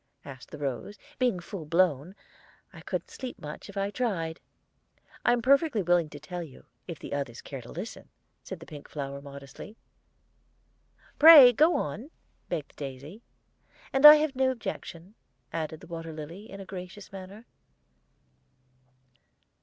asked the rose. "Being full blown, I couldn't sleep much, if I tried." "I am perfectly willing to tell you, if the others care to listen," said the pink flower, modestly. "Pray go on," begged the daisy. And "I have no objection," added the water lily, in a gracious manner.